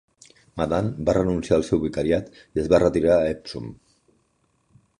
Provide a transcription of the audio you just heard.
Madan va renunciar al seu vicariat i es va retirar a Epsom.